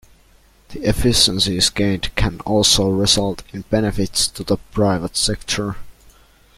The efficiencies gained can also result in benefits to the private sector.